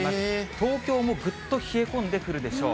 東京もぐっと冷え込んでくるでしょう。